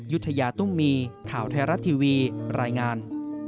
ยุธยาตุ้มมีข่าวไทยรัฐทีวีรายงาน